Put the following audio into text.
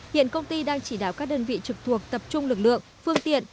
hiện công ty đang chỉ đáo các đơn vị trực thuộc tập trung lực lượng phương tiện